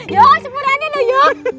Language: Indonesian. yuk sempurna nih yuk